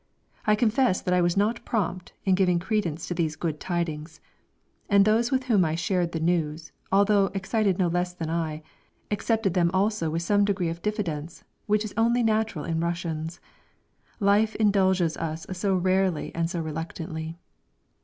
I confess that I was not prompt in giving credence to these good tidings. And those with whom I shared the news, although excited no less than I, accepted them also with some degree of diffidence, which is only natural in Russians: life indulges us so rarely and so reluctantly.